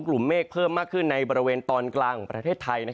เมฆเพิ่มมากขึ้นในบริเวณตอนกลางของประเทศไทย